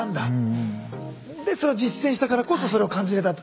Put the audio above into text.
でそれを実践したからこそそれを感じれたと。